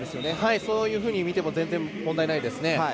そういうふうに見ても全然、問題ないですね。